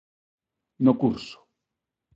No curso